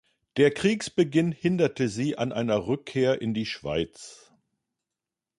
Der Kriegsbeginn hinderte sie an einer Rückkehr in die Schweiz.